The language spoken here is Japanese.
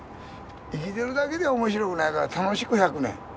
生きてるだけでは面白くないから楽しく１００年。